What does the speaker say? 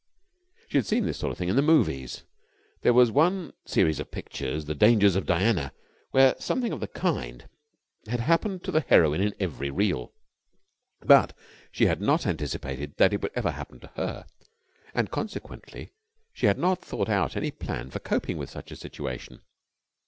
She had seen this sort of thing in the movies there was one series of pictures, The Dangers of Diana, where something of the kind had happened to the heroine in every reel but she had not anticipated that it would ever happen to her: and consequently she had not thought out any plan for coping with such a situation.